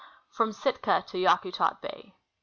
From Sitka to Yakutat Bay.